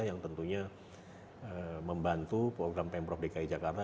yang tentunya membantu program pemprov dki jakarta